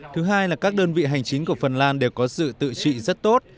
thứ hai là các đơn vị hành chính của phần lan đều có sự tự trị rất tốt